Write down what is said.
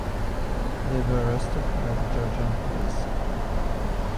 They were arrested by the Georgian police.